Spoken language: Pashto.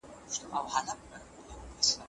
ما به په مجله کي مرکې او لنډي کیسې لوستلې.